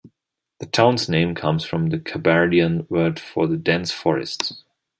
The town's name comes from the Kabardian word for "the dense forest".